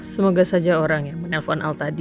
semoga saja orang yang menelpon al tadi